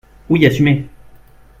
Oui, assumez